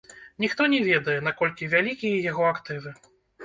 Ніхто не ведае, наколькі вялікія яго актывы.